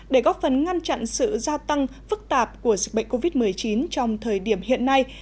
để góp phần ngăn chặn sự gia tăng phức tạp của dịch bệnh covid một mươi chín trong thời điểm hiện nay